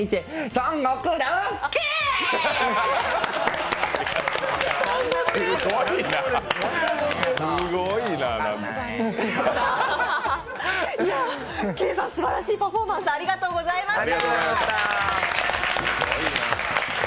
Ｋａｙさん、すばらしいパフォーマンスありがとうございました。